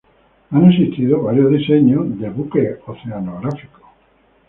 Han existido varios diseños de buques patrulleros.